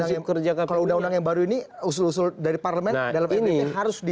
nah kalau dengan undang undang yang baru ini usul usul dari parlement dalam ini harus di